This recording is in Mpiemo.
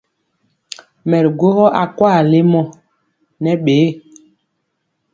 Mɛ ri gwogɔ akwaa lemɔ nɛ mbɛ.